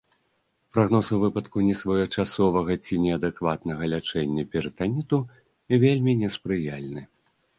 Прагноз у выпадку несвоечасовага ці неадэкватнага лячэння перытаніту вельмі неспрыяльны.